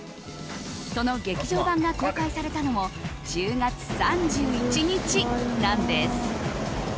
その劇場版が公開されたのも１０月３１日なんです。